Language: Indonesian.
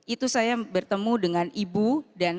itu saya bertemu dengan ibu dan